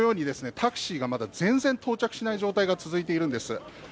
タクシーがまだ全然到着しない状態が続いているんです。